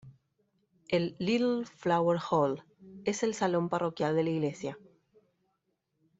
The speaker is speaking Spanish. El "Little Flower Hall" es el salón parroquial de la iglesia.